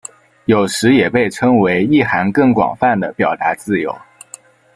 有时也被称为意涵更广泛的表达自由。